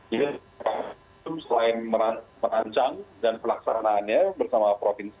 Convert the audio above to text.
jadi selain merancang dan pelaksanaannya bersama provinsi